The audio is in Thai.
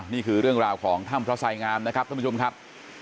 นี่คือเรื่องราวของถ้ำพระไสงามนะครับท่านผู้ชมครับ